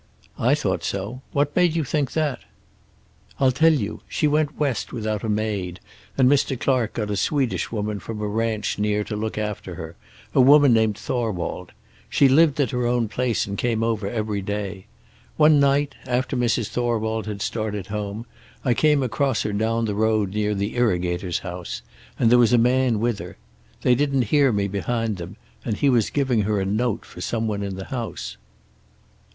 "I thought so. What made you think that?" "I'll tell you. She went West without a maid, and Mr. Clark got a Swedish woman from a ranch near to look after her, a woman named Thorwald. She lived at her own place and came over every day. One night, after Mrs. Thorwald had started home, I came across her down the road near the irrigator's house, and there was a man with her. They didn't hear me behind them, and he was giving her a note for some one in the house."